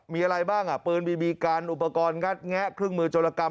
มีอะไรบ้างอ่ะปืนบีบีกันอุปกรณ์งัดแงะเครื่องมือโจรกรรม